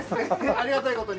ありがたい事に。